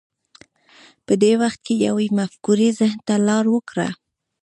په دې وخت کې یوې مفکورې ذهن ته لار وکړه